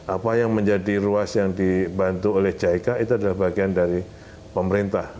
apa yang menjadi ruas yang dibantu oleh jik itu adalah bagian dari pemerintah